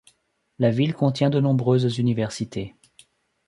La ville contient de nombreuses universités.